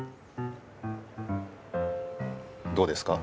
どうですか？